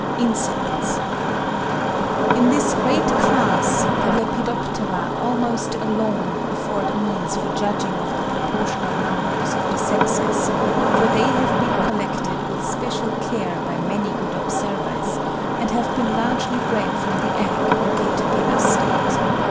INSECTS. In this great Class, the Lepidoptera almost alone afford means for judging of the proportional numbers of the sexes; for they have been collected with special care by many good observers, and have been largely bred from the egg or caterpillar state.